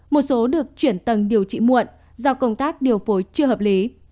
một số được chuyển tầng điều trị muộn do công tác điều phối chưa hợp lý